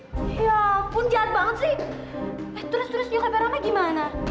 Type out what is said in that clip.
ya ampun jahat banget sih eh terus terus nyokapera rama gimana